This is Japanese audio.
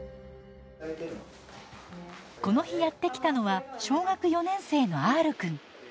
この日やって来たのは小学４年生のＲくん。